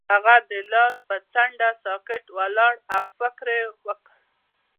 هغه د لاره پر څنډه ساکت ولاړ او فکر وکړ.